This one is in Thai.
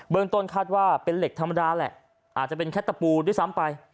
ต้นคาดว่าเป็นเหล็กธรรมดาแหละอาจจะเป็นแค่ตะปูด้วยซ้ำไป